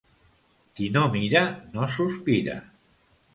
Qui no mira, no sospira.